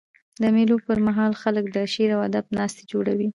د مېلو پر مهال خلک د شعر او ادب ناستي جوړوي.